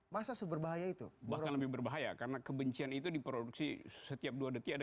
masa seberbahaya itu bahkan lebih berbahaya karena kebencian itu diproduksi setiap dua detik